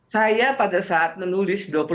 saya pada saat menulis